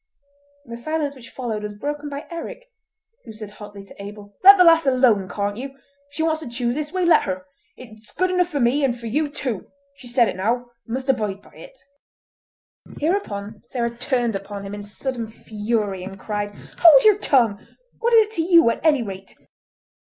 The silence which followed was broken by Eric, who said hotly to Abel: "Let the lass alone, can't you? If she wants to choose this way, let her. It's good enough for me—and for you, too! She's said it now, and must abide by it!" Hereupon Sarah turned upon him in sudden fury, and cried: "Hold your tongue! what is it to you, at any rate?"